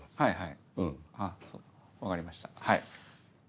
はい。